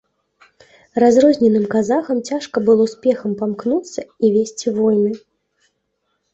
Разрозненым казахам цяжка было спехам памкнуцца і весці войны.